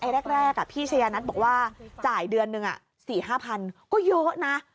แรกพี่ชายานัทบอกว่าจ่ายเดือนหนึ่ง๔๕๐๐ก็เยอะนะ